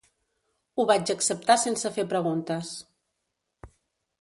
Ho vaig acceptar sense fer preguntes.